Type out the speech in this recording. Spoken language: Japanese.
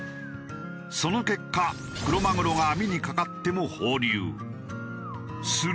その結果クロマグロが網にかかっても放流。